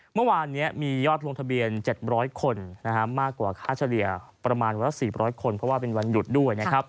เมื่อวานนี้มียอดลงทะเบียน๗๐๐คนมากกว่าค่าเฉลี่ยประมาณวันละ๔๐๐คนเพราะว่าเป็นวันหยุดด้วยนะครับ